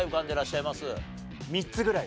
３つぐらい。